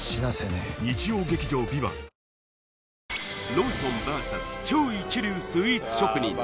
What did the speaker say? ローソンＶＳ超一流スイーツ職人